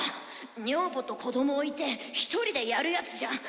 女房と子どもを置いて１人でやるやつじゃん。